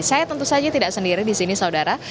saya tentu saja tidak sendiri di sini saudara